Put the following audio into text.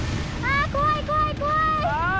あ怖い怖い怖い！